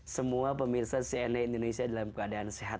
semua pemirsa cnn indonesia dalam keadaan sehat